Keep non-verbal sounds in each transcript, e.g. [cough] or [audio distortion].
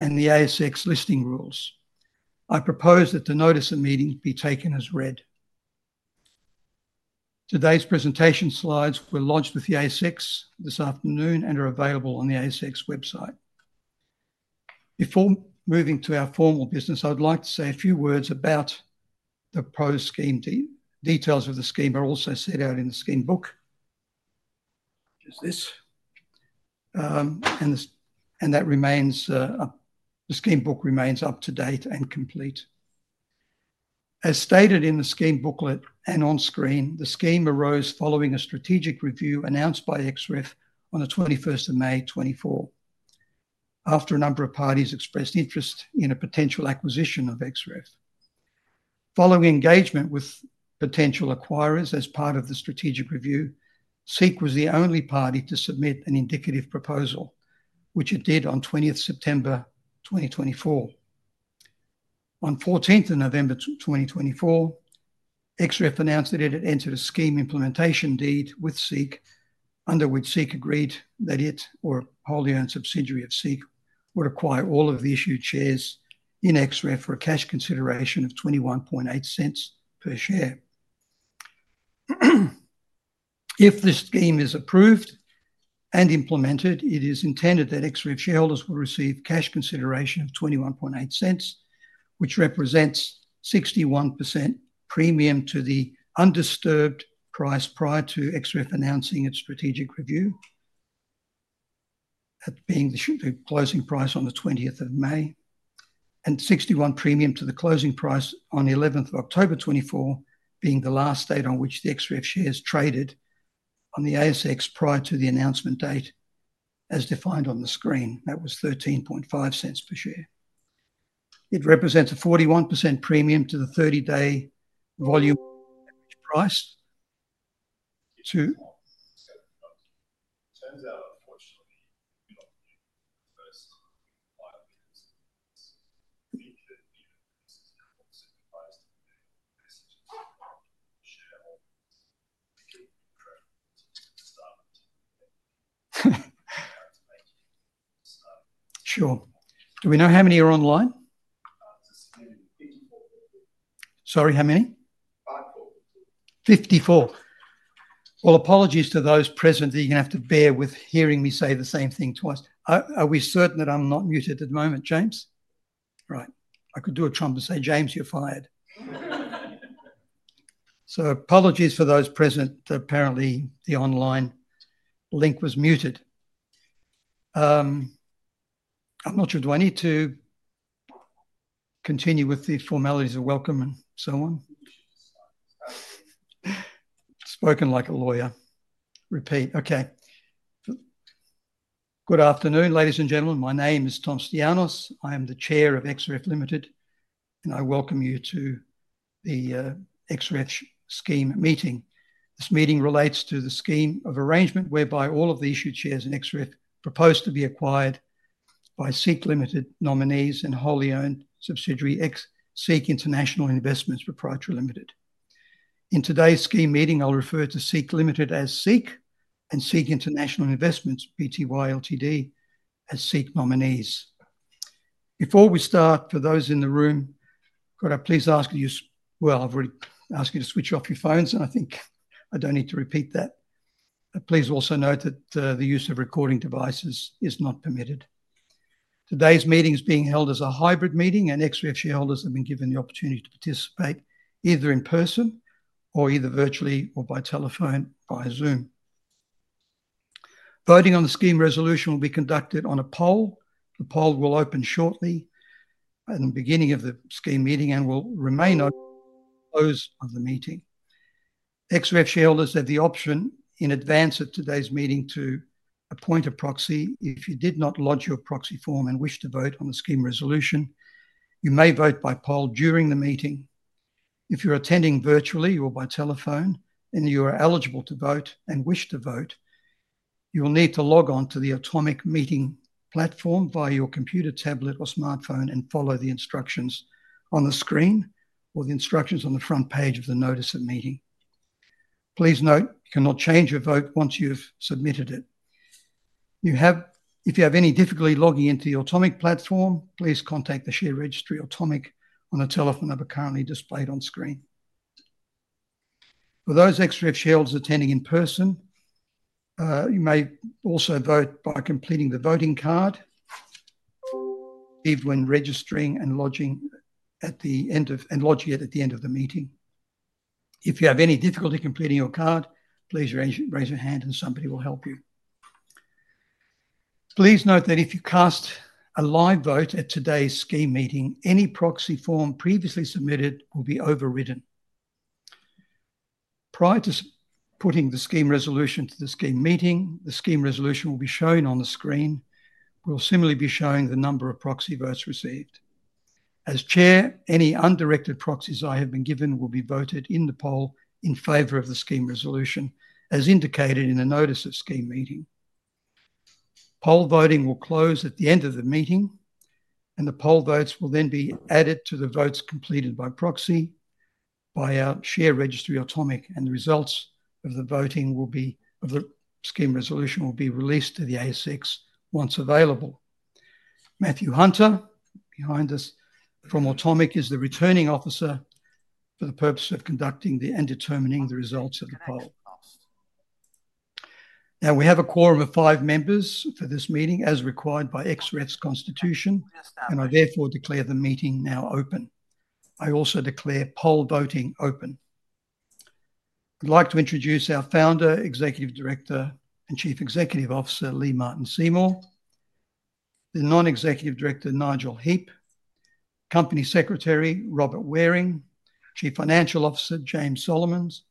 And the ASX Listing Rules. I propose that the notice of meeting be taken as read. Today's presentation slides were launched with the ASX this afternoon and are available on the ASX website. Before moving to our formal business, I would like to say a few words about the proposed scheme details of the scheme are also set out in the Scheme Book, which is this, and the Scheme Book remains up to date and complete. As stated in the Scheme Booklet and on screen, the scheme arose following a strategic review announced by Xref on the 21st of May 2024, after a number of parties expressed interest in a potential acquisition of Xref. Following engagement with potential acquirers as part of the strategic review, SEEK was the only party to submit an indicative proposal, which it did on 20th September 2024. On 14th of November 2024, Xref announced that it had entered a Scheme Implementation Deed with SEEK, under which SEEK agreed that it, or a wholly owned subsidiary of SEEK, would acquire all of the issued shares in Xref for a cash consideration of 0.218 per share. If this scheme is approved and implemented, it is intended that Xref shareholders will receive cash consideration of 0.218, which represents 61% premium to the undisturbed price prior to Xref announcing its strategic review, being the closing price on the 20th of May, and 61% premium to the closing price on 11th of October 2024, being the last date on which the Xref shares traded on the ASX prior to the announcement date, as defined on the screen. That was 0.135 per share. It represents a 41% premium to the 30-day volume average price. [audio distortion] message to shareholders. [audio distortion] Sure. Do we know how many are online? Sorry, how many? 54. Well, apologies to those present that you're going to have to bear with hearing me say the same thing twice. Are we certain that I'm not muted at the moment, James? Right. I could do a Trump and say, "James, you're fired." So, apologies for those present. Apparently, the online link was muted. I'm not sure. Do I need to continue with the formalities of welcome and so on? Spoken like a lawyer. Repeat. Okay. Good afternoon, ladies and gentlemen. My name is Tom Stianos. I am the Chair of Xref Limited, and I welcome you to the Xref scheme meeting. This meeting relates to the scheme of arrangement whereby all of the issued shares in Xref are proposed to be acquired by SEEK Limited, nominees and wholly owned subsidiary SEEK International Investments Proprietary Limited. In today's scheme meeting, I'll refer to SEEK Limited as SEEK and SEEK International Investments Pty Ltd as SEEK Nominees. Before we start, for those in the room, could I please ask you, well, I've already asked you to switch off your phones, and I think I don't need to repeat that. Please also note that the use of recording devices is not permitted. Today's meeting is being held as a hybrid meeting, and Xref shareholders have been given the opportunity to participate either in person or either virtually or by telephone via Zoom. Voting on the scheme resolution will be conducted on a poll. The poll will open shortly at the beginning of the scheme meeting and will remain open until the close of the meeting. Xref shareholders have the option in advance of today's meeting to appoint a proxy. If you did not lodge your proxy form and wish to vote on the scheme resolution, you may vote by poll during the meeting. If you're attending virtually or by telephone and you are eligible to vote and wish to vote, you will need to log on to the Automic Meeting Platform via your computer, tablet, or smartphone and follow the instructions on the screen or the instructions on the front page of the notice of meeting. Please note you cannot change your vote once you've submitted it. If you have any difficulty logging into the Automic platform, please contact the share registry Automic on the telephone number currently displayed on screen. For those Xref shareholders attending in person, you may also vote by completing the voting card even when registering and lodging at the end of the meeting. If you have any difficulty completing your card, please raise your hand and somebody will help you. Please note that if you cast a live vote at today's scheme meeting, any proxy form previously submitted will be overridden. Prior to putting the scheme resolution to the scheme meeting, the scheme resolution will be shown on the screen. We'll similarly be showing the number of proxy votes received. As chair, any undirected proxies I have been given will be voted in the poll in favor of the scheme resolution, as indicated in the notice of scheme meeting. Poll voting will close at the end of the meeting, and the poll votes will then be added to the votes completed by proxy by our Share Registry, Automic, and the results of the voting on the scheme resolution will be released to the ASX once available. Mathew Hunter, behind us from Automic, is the returning officer for the purpose of conducting the poll and determining the results of the poll. Now, we have a quorum of five members for this meeting as required by Xref's constitution, and I therefore declare the meeting now open. I also declare poll voting open. I'd like to introduce our founder, Executive Director, and Chief Executive Officer, Lee-Martin Seymour, the Non-Executive Director, Nigel Heap, Company Secretary, Robert Waring, Chief Financial Officer, James Solomons,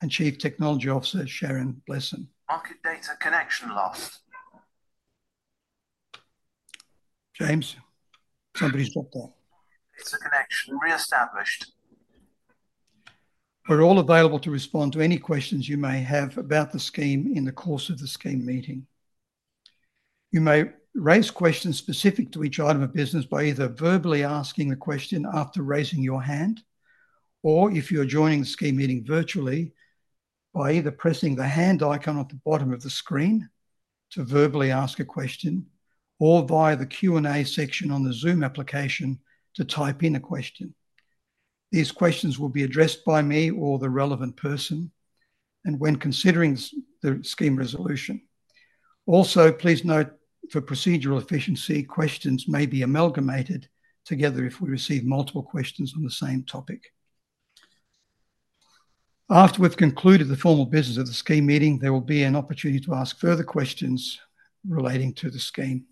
and Chief Technology Officer, Sharon Blesson. Market data connection lost. James, somebody's dropped off. Data connection reestablished. We're all available to respond to any questions you may have about the scheme in the course of the scheme meeting. You may raise questions specific to each item of business by either verbally asking the question after raising your hand, or if you're joining the scheme meeting virtually, by either pressing the hand icon at the bottom of the screen to verbally ask a question, or via the Q&A section on the Zoom application to type in a question. These questions will be addressed by me or the relevant person when considering the scheme resolution. Also, please note for procedural efficiency, questions may be amalgamated together if we receive multiple questions on the same topic. After we've concluded the formal business of the scheme meeting, there will be an opportunity to ask further questions relating to the scheme.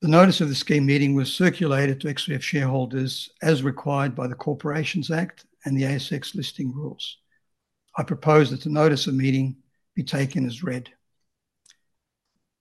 The notice of the scheme meeting was circulated to Xref shareholders as required by the Corporations Act and the ASX Listing Rules. I propose that the notice of meeting be taken as read.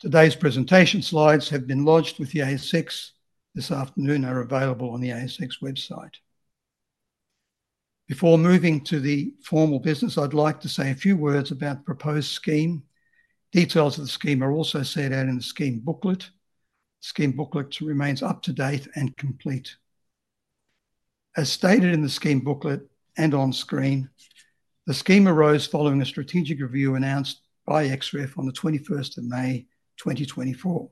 Today's presentation slides have been lodged with the ASX. This afternoon, they are available on the ASX website. Before moving to the formal business, I'd like to say a few words about the proposed scheme. Details of the scheme are also set out in the Scheme Booklet. The Scheme Booklet remains up to date and complete. As stated in the Scheme Booklet and on screen, the scheme arose following a strategic review announced by Xref on the 21st of May 2024,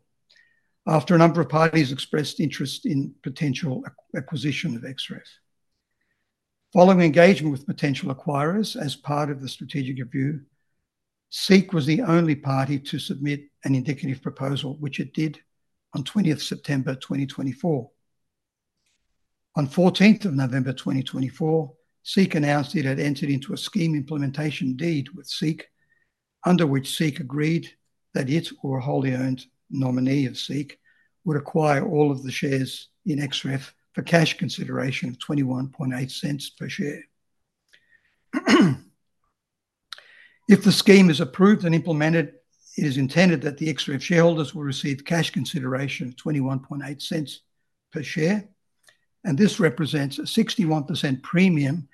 after a number of parties expressed interest in potential acquisition of Xref. Following engagement with potential acquirers as part of the strategic review, SEEK was the only party to submit an indicative proposal, which it did on 20th September 2024. On 14th of November 2024, SEEK announced it had entered into a Scheme Implementation Deed with SEEK, under which SEEK agreed that it, or a wholly owned nominee of SEEK, would acquire all of the shares in Xref for cash consideration of 0.218 per share. If the scheme is approved and implemented, it is intended that the Xref shareholders will receive cash consideration of 0.218 per share, and this represents a 61% premium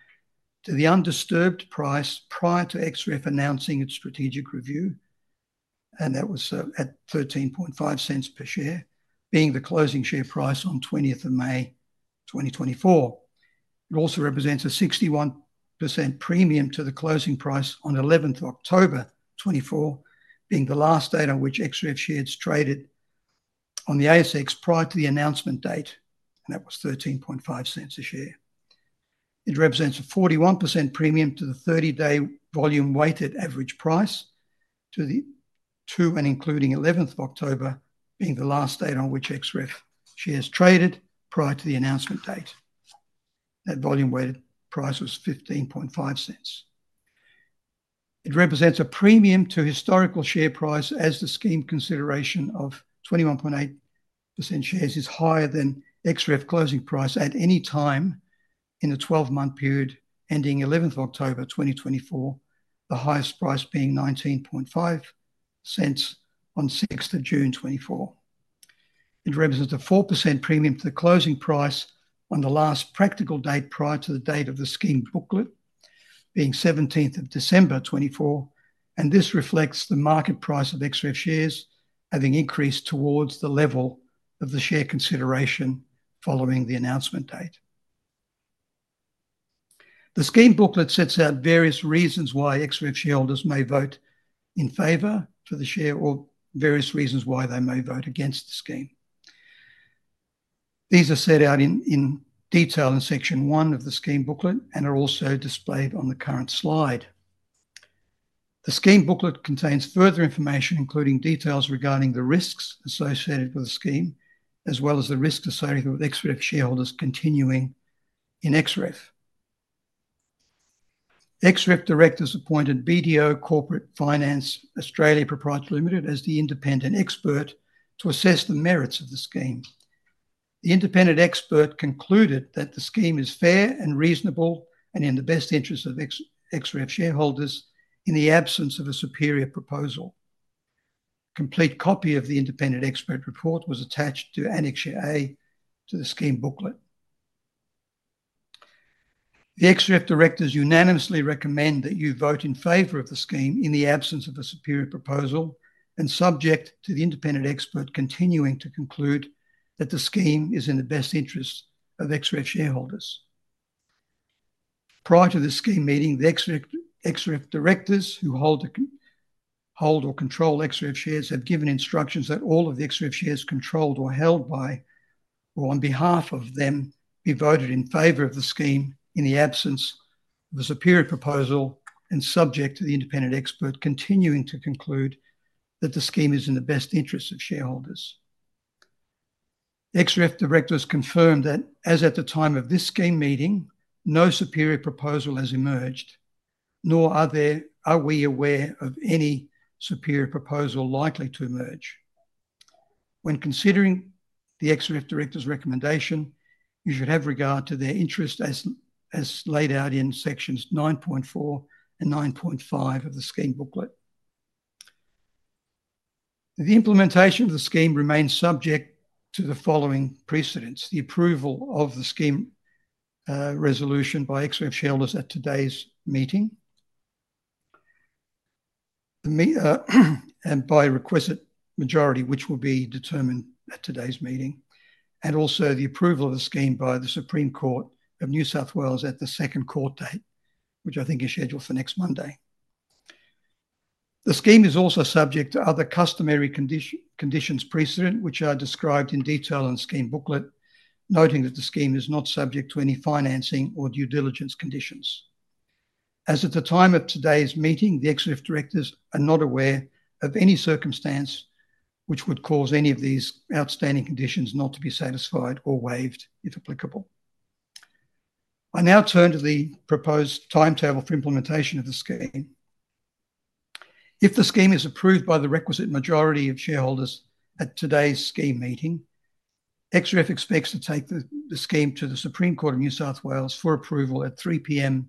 to the undisturbed price prior to Xref announcing its strategic review, and that was at 0.135 per share, being the closing share price on 20th of May 2024. It also represents a 61% premium to the closing price on 11th of October 2024, being the last date on which Xref shares traded on the ASX prior to the announcement date, and that was 0.135 a share. It represents a 41% premium to the 30-day volume weighted average price to and including 11th of October, being the last date on which Xref shares traded prior to the announcement date. That volume weighted price was 0.155. It represents a premium to historical share price as the scheme consideration of 0.218 per share is higher than Xref closing price at any time in the 12-month period ending 11th of October 2024, the highest price being 0.195 on 6th of June 2024. It represents a 4% premium to the closing price on the last practical date prior to the date of the Scheme Booklet, being 17th of December 2024, and this reflects the market price of Xref shares having increased towards the level of the share consideration following the announcement date. The Scheme Booklet sets out various reasons why Xref shareholders may vote in favor for the share or various reasons why they may vote against the scheme. These are set out in detail in section one of the Scheme Booklet and are also displayed on the current slide. The Scheme Booklet contains further information, including details regarding the risks associated with the scheme, as well as the risks associated with Xref shareholders continuing in Xref. Xref directors appointed BDO Corporate Finance Australia Proprietary Limited as the independent expert to assess the merits of the scheme. The independent expert concluded that the scheme is fair and reasonable and in the best interest of Xref shareholders in the absence of a superior proposal. A complete copy of the independent expert report was attached to Annex A to the Scheme Booklet. The Xref directors unanimously recommend that you vote in favor of the scheme in the absence of a superior proposal and subject to the independent expert continuing to conclude that the scheme is in the best interest of Xref shareholders. Prior to the scheme meeting, the Xref directors who hold or control Xref shares have given instructions that all of the Xref shares controlled or held by or on behalf of them be voted in favor of the scheme in the absence of a superior proposal and subject to the independent expert continuing to conclude that the scheme is in the best interest of shareholders. Xref directors confirmed that, as at the time of this scheme meeting, no superior proposal has emerged, nor are we aware of any superior proposal likely to emerge. When considering the Xref directors' recommendation, you should have regard to their interest as laid out in sections 9.4 and 9.5 of the Scheme Booklet. The implementation of the scheme remains subject to the following conditions precedent: the approval of the scheme resolution by Xref shareholders at today's meeting and by requisite majority, which will be determined at today's meeting, and also the approval of the scheme by the Supreme Court of New South Wales at the second court date, which I think is scheduled for next Monday. The scheme is also subject to other customary conditions precedent, which are described in detail in the Scheme Booklet, noting that the scheme is not subject to any financing or due diligence conditions. As at the time of today's meeting, the Xref directors are not aware of any circumstance which would cause any of these outstanding conditions not to be satisfied or waived, if applicable. I now turn to the proposed timetable for implementation of the scheme. If the scheme is approved by the requisite majority of shareholders at today's scheme meeting, Xref expects to take the scheme to the Supreme Court of New South Wales for approval at 3:00 P.M.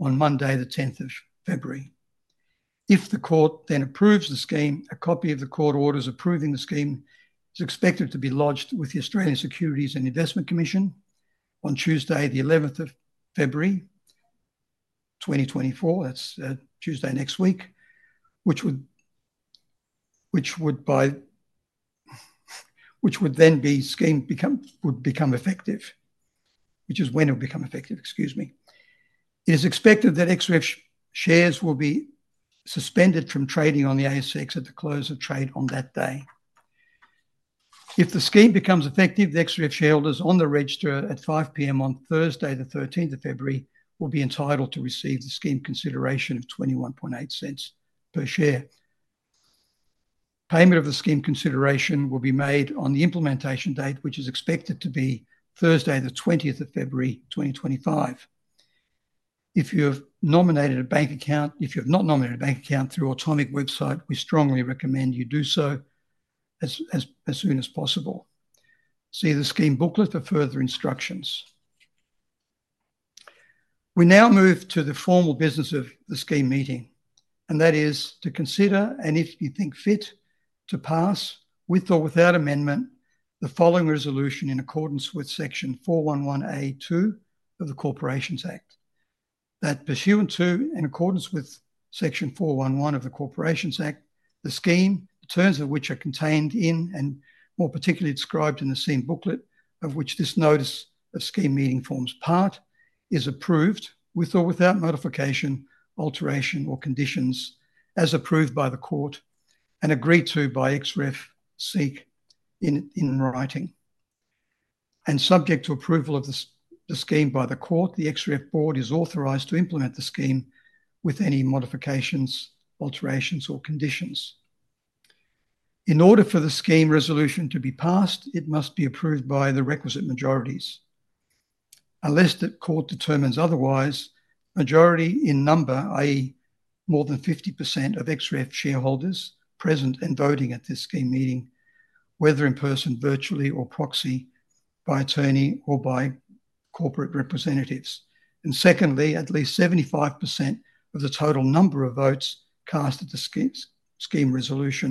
on Monday, the 10th of February. If the court then approves the scheme, a copy of the court orders approving the scheme is expected to be lodged with the Australian Securities and Investments Commission on Tuesday, the 11th of February 2024. That's Tuesday next week, which would then be when the scheme would become effective, excuse me. It is expected that Xref shares will be suspended from trading on the ASX at the close of trade on that day. If the scheme becomes effective, the Xref shareholders on the register at 5:00 P.M. on Thursday, the 13th of February, will be entitled to receive the scheme consideration of 0.218 per share. Payment of the scheme consideration will be made on the implementation date, which is expected to be Thursday, the 20th of February 2025. If you have nominated a bank account, if you have not nominated a bank account through our Automic website, we strongly recommend you do so as soon as possible. See the Scheme Booklet for further instructions. We now move to the formal business of the scheme meeting, and that is to consider, and if you think fit, to pass with or without amendment the following resolution in accordance with section 411(a)(2) of the Corporations Act: that pursuant to and in accordance with section 411 of the Corporations Act, the scheme, the terms of which are contained in and more particularly described in the Scheme Booklet of which this notice of scheme meeting forms part, is approved with or without modification, alteration, or conditions as approved by the court and agreed to by Xref, SEEK in writing. And subject to approval of the scheme by the court, the Xref board is authorized to implement the scheme with any modifications, alterations, or conditions. In order for the scheme resolution to be passed, it must be approved by the requisite majorities. Unless the court determines otherwise, majority in number, i.e., more than 50% of Xref shareholders present and voting at this scheme meeting, whether in person, virtually, or proxy, by attorney or by corporate representatives, and secondly, at least 75% of the total number of votes cast at the scheme resolution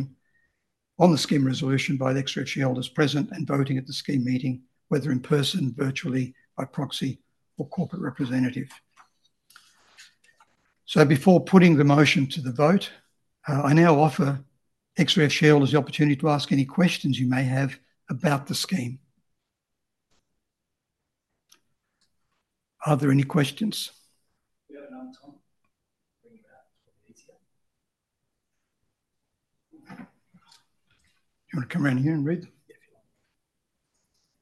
on the scheme resolution by the Xref shareholders present and voting at the scheme meeting, whether in person, virtually, by proxy, or corporate representative. So before putting the motion to the vote, I now offer Xref shareholders the opportunity to ask any questions you may have about the scheme. Are there any questions? Do you want to come around here and read them?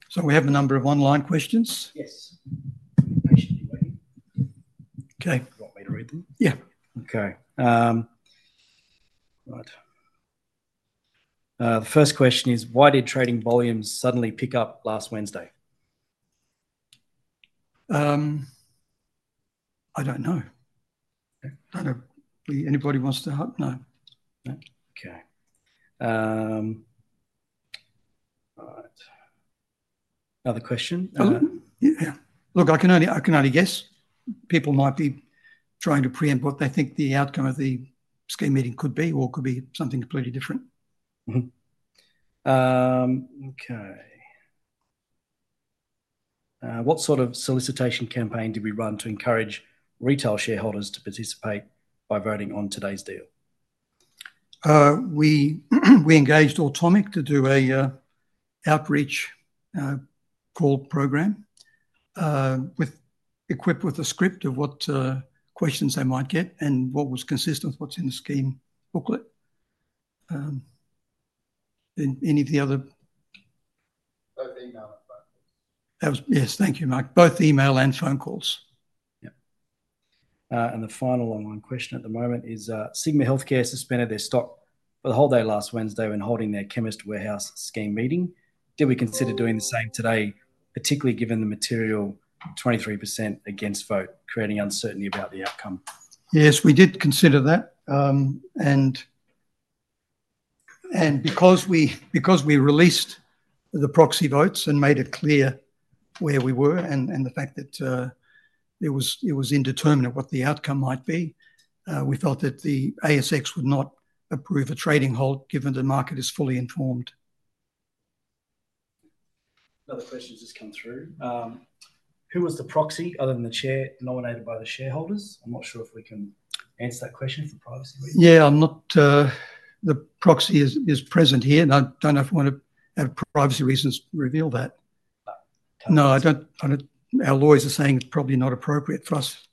So we have a number of online questions. Yes. Okay. You want me to read them? Yeah. Okay. Right. The first question is, why did trading volumes suddenly pick up last Wednesday? I don't know. I don't know. Anybody wants to help? No. Okay. All right. Another question? Yeah. Look, I can only guess. People might be trying to preempt what they think the outcome of the scheme meeting could be or could be something completely different. Okay. What sort of solicitation campaign did we run to encourage retail shareholders to participate by voting on today's deal? We engaged Automic to do an outreach call program equipped with a script of what questions they might get and what was consistent with what's in the Scheme Booklet. Any of the other? Yes. Thank you, Mark. Both email and phone calls. Yeah. And the final online question at the moment is, Sigma Healthcare suspended their stock for the whole day last Wednesday when holding their Chemist Warehouse scheme meeting. Did we consider doing the same today, particularly given the material 23% against vote, creating uncertainty about the outcome? Yes, we did consider that, and because we released the proxy votes and made it clear where we were and the fact that it was indeterminate what the outcome might be, we felt that the ASX would not approve a trading halt given the market is fully informed. Another question has just come through. Who was the proxy other than the chair nominated by the shareholders? I'm not sure if we can answer that question for privacy reasons. Yeah. The proxy is present here, and I don't know if we want to, out of privacy reasons, reveal that. No, our lawyers are saying it's probably not appropriate for us.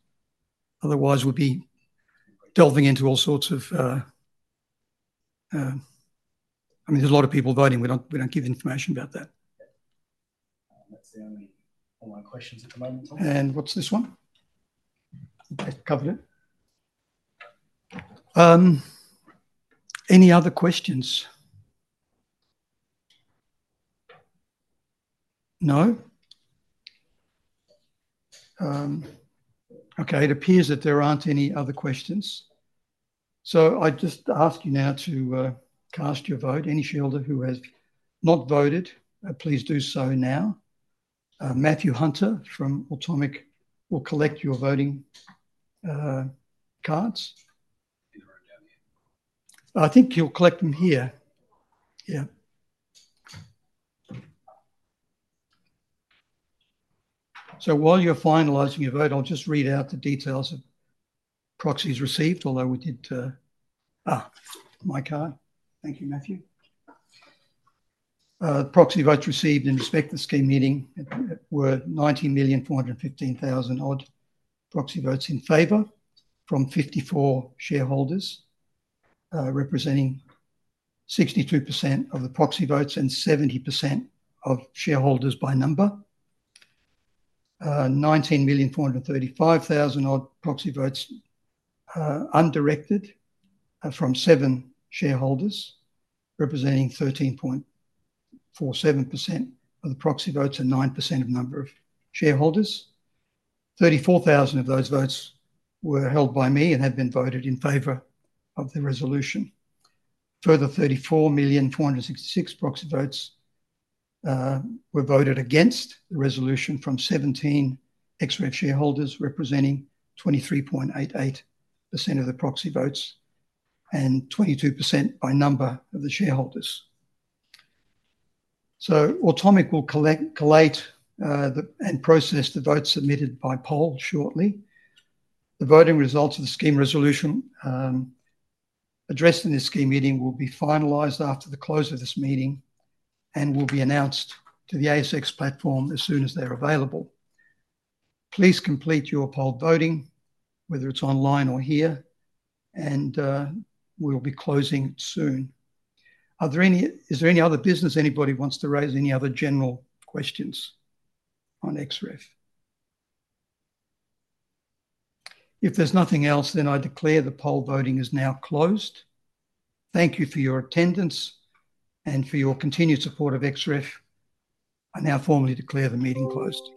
Otherwise, we'd be delving into all sorts of, I mean, there's a lot of people voting. We don't give information about that. That's the only online questions at the moment. And what's this one? You covered it. Any other questions? No? Okay. It appears that there aren't any other questions. So I'd just ask you now to cast your vote. Any shareholder who has not voted, please do so now. Mathew Hunter from Automic will collect your voting cards. I think he'll collect them here. Yeah. So while you're finalizing your vote, I'll just read out the details of proxies received, although we did cover. Thank you, Mathew. Proxy votes received in respect of the scheme meeting were 19,415,000 odd proxy votes in favor from 54 shareholders representing 62% of the proxy votes and 70% of shareholders by number. 19,435,000 odd proxy votes undirected from 7 shareholders representing 13.47% of the proxy votes and 9% of the number of shareholders. 34,000 of those votes were held by me and have been voted in favor of the resolution. Further 34,466,000 proxy votes were voted against the resolution from 17 Xref shareholders representing 23.88% of the proxy votes and 22% by number of the shareholders, so Automic will collate and process the votes submitted by poll shortly. The voting results of the scheme resolution addressed in this scheme meeting will be finalized after the close of this meeting and will be announced to the ASX platform as soon as they're available. Please complete your poll voting, whether it's online or here, and we'll be closing soon. Is there any other business anybody wants to raise? Any other general questions on Xref? If there's nothing else, I declare the poll voting is now closed. Thank you for your attendance and for your continued support of Xref. I now formally declare the meeting closed.